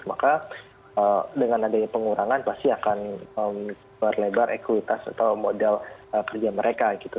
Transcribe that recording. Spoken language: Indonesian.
maka dengan adanya pengurangan pasti akan berlebar ekuitas atau modal kerja mereka gitu